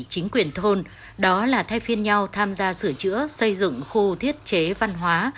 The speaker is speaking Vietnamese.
chính quyền thôn đó là thay phiên nhau tham gia sửa chữa xây dựng khu thiết chế văn hóa